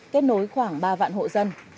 kết nối khoảng ba vạn hộ dân